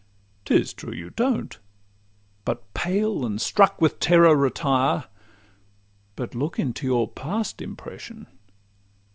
'Tis true, you don't—but, pale and struck with terror, Retire: but look into your past impression!